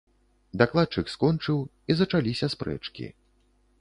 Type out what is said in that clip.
Дакладчык скончыў, і зачаліся спрэчкі.